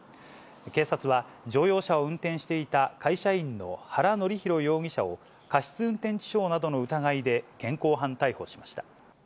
警察は、乗用車を運転していた会社員の原紀弘容疑者を、過失運転致傷などの疑いで現行犯逮捕しました。